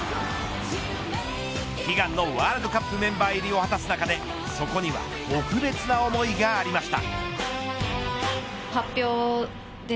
悲願のワールドカップメンバー入りを果たす中でそこには特別な思いがありました。